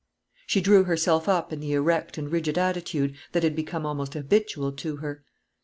She drew herself up in the erect and rigid attitude that had become almost habitual to her.